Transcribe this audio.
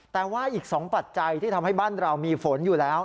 แต่ว่าอีก๒ปัจจัยที่ทำให้บ้านเรามีฝนอยู่แล้ว